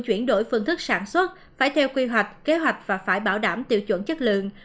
chuyển đổi phương thức sản xuất phải theo quy hoạch kế hoạch và phải bảo đảm tiêu chuẩn chất lượng